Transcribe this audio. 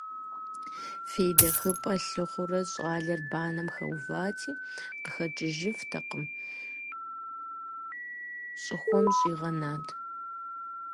ФейдэхэкӀыпӀэ лъыхъуэурэ, щӀалэр банэм хэувати, къыхэкӀыжыфтэкъым, щӀыхуэм щӀигъэнат.